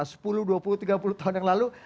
sepuluh dua puluh tiga puluh tahun yang lalu